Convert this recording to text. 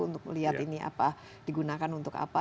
untuk melihat ini apa digunakan untuk apa